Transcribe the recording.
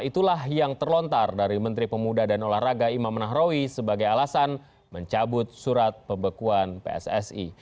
itulah yang terlontar dari menteri pemuda dan olahraga imam nahrawi sebagai alasan mencabut surat pembekuan pssi